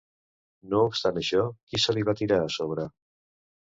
No obstant això, qui se li va tirar a sobre?